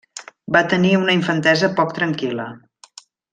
Va tenir una infantesa poc tranquil·la.